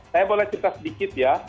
saya boleh cerita sedikit ya